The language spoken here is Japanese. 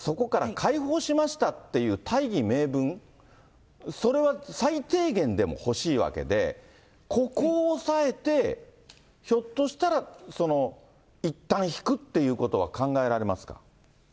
つまりここの人たちを、ウクライナからの迫害、そこから解放しましたっていう大義名分、それは最低限でも欲しいわけで、ここを押さえて、ひょっとしたら、いったん引くっていうことは考えられますか。